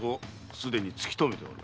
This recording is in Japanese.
すでに突き止めておる。